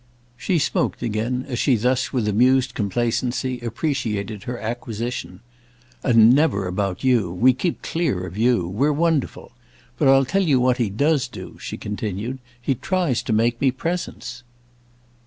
She smoked again as she thus, with amused complacency, appreciated her acquisition. "And never about you. We keep clear of you. We're wonderful. But I'll tell you what he does do," she continued: "he tries to make me presents."